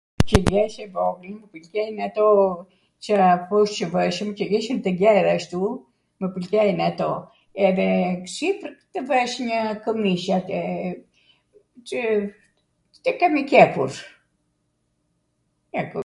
qw jesh e vogwl, mw pwlqejn ato Cwrap qw bwjshim, qw ishin tw gjera ashtu, mw pwlqejn ato, edhe sipwr tw vesh njw kwmish atje, qw te kemi qepur...